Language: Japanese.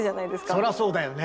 そりゃそうだよね。